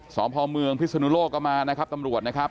สพเมืองพิศนุโลกก็มานะครับตำรวจนะครับ